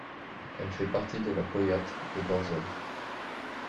Elle fait partie de la powiat de Gorzów.